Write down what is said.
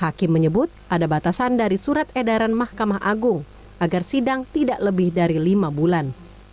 hakim menyebut ada batasan dari surat edaran mahkamah agung agar sidang tidak lebih dari lima bulan